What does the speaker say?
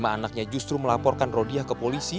lima anaknya justru melaporkan rodiah ke polisi